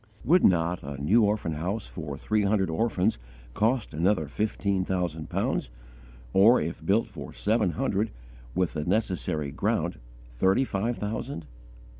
Would not a new orphan house for three hundred orphans cost another fifteen thousand pounds, or, if built for seven hundred, with the necessary ground, thirty five thousand?